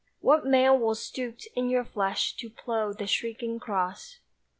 What man will stoop in your flesh to plough The shrieking cross?